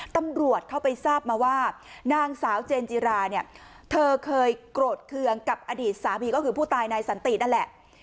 ตำรวจเข้าไปทราบมาว่านางสาวเจนจิราเนี่ยเธอเคยโกรธเคืองกับอดีตสามีก็คือผู้ตายนายสันตินั่นแหละ